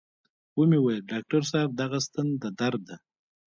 و مې ويل ډاکتر صاحب دغه ستن د درد ده.